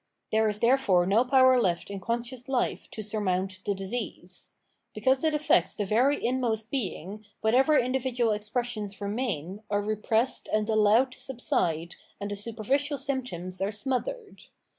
There is therefore no power left in conscious bfe to simnount tbe disease. Because it affects tbe very inmost being, whatever in dividual expressions remain, are repressed and allowed to subside and tbe superficial symptoms are smothered.